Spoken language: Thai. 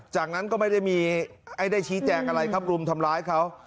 จากนั้นก็ไม่ได้ชี้แจงอะไรครับรุมทำร้ายเขา